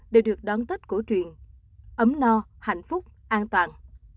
để được đón tết cổ truyền ấm no hạnh phúc an toàn